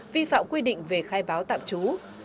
vi phạm quy định về khai báo tạm trú